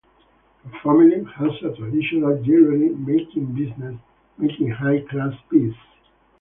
Her family has a traditional jewellery making business, making high-class pieces.